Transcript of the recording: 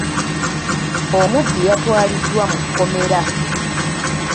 Omubbi yatwaliddwa mu kkomera.